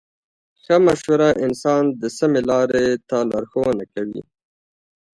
ښه مشوره انسان د سمې لارې ته لارښوونه کوي.